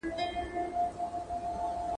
د انسان فطرت ته درناوی وکړئ.